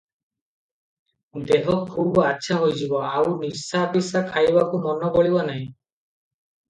ଦେହ ଖୁବ୍ ଆଚ୍ଛା ହୋଇଯିବ, ଆଉ ନିଶାଫିସା ଖାଇବାକୁ ମନ ବଳିବ ନାହିଁ ।